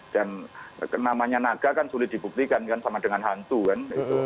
dan namanya naga kan sulit dibuktikan sama dengan hantu kan